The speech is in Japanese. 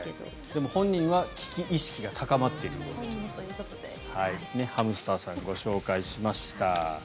でも本人は、危機意識が高まっている動きということでハムスターさんご紹介しました。